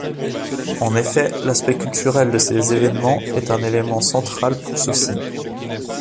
En effet, l'aspect culturel de ces événements est un élément central pour ceux-ci.